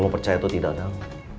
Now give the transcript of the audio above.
mau percaya tuh tidak tang